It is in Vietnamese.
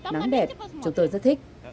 nắng đẹp chúng tôi rất thích